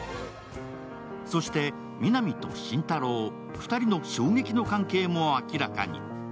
そして皆実と心太朗、２人の衝撃の関係も明らかに。